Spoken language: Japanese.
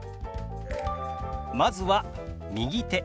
まずは「右手」。